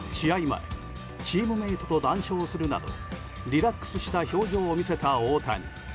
前チームメートと談笑するなどリラックスした表情を見せた大谷。